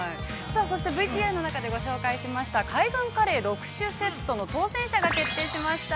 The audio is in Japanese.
◆ＶＴＲ中で紹介しました「海軍カレー６種セット」の当選者が決定いたしました！